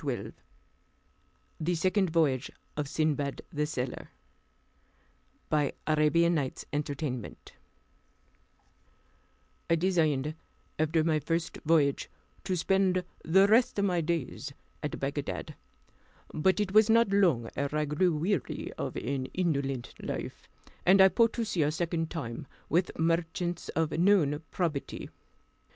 CHAPTER VII THE SECOND VOYAGE OF SINDBAD THE SAILOR I designed, after my first voyage, to spend the rest of my days at Bagdad, but it was not long ere I grew weary of an indolent life, and I put to sea a second time, with merchants of known probity.